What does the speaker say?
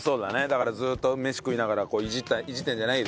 だからずっと飯食いながらいじってるんじゃない？